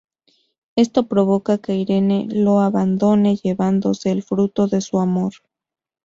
Esto provoca que Irene lo abandone llevándose el fruto de su amor.